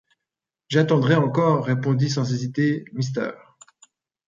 J’attendrais encore, répondit sans hésiter Mrs.